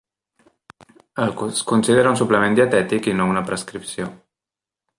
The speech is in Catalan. Es considera un suplement dietètic i no una prescripció.